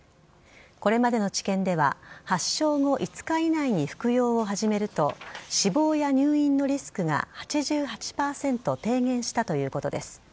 これまでの治験では発症後５日以内に服用を始めると死亡や入院のリスクが８８％低減したということです。